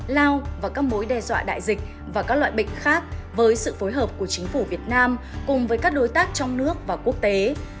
lao và các mối đe dọa đại dịch và các loại bệnh khác với sự phối hợp của chính phủ việt nam cùng với các đối tác trong nước và quốc tế